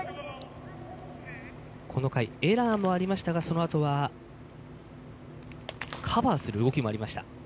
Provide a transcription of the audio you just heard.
この回エラーもありましたがそのあとのカバーをする動きもありました。